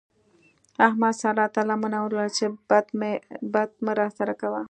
احمد سارا تر لمنه ونيوله چې بد مه راسره کوه.